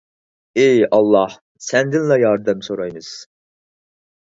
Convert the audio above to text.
ئى ئاللاھ سەندىنلا ياردەم سورايمىز